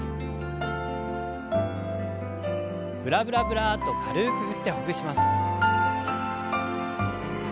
ブラブラブラッと軽く振ってほぐします。